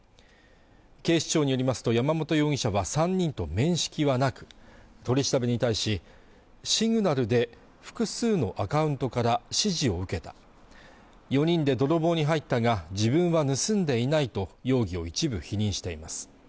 警視庁によりますと山本容疑者は３人と面識はなく取り調べに対しシグナルで複数のアカウントから指示を受けた４人で泥棒に入ったが自分は盗んでいないと容疑を一部否認しています